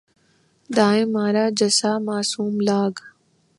دائیں مارا جسا معصوم لاگ